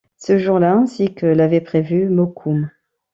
Ce jour-là, ainsi que l’avait prévu Mokoum